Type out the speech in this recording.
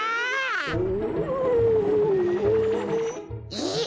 えっ？